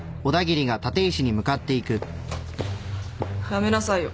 やめなさいよ。